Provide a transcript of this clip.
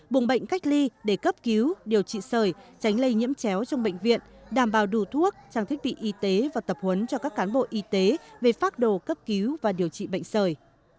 bùng bệnh cách ly để cấp cứu điều trị sởi tránh lây nhiễm chéo trong bệnh viện đảm bảo đủ thuốc trang thiết bị y tế và tập huấn cho các cán bộ y tế về phác đồ cấp cứu và điều trị bệnh sởi